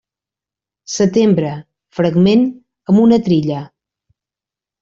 Setembre, fragment, amb una trilla.